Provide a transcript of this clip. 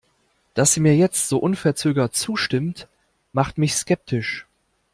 Dass sie mir jetzt so unverzögert zustimmt, macht mich skeptisch.